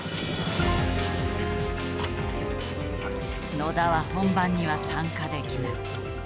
野田は本番には参加できない。